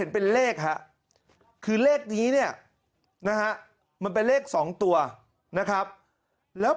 เป็นเลขฮะคือเลขนี้เนี่ยนะฮะมันเป็นเลข๒ตัวนะครับแล้ว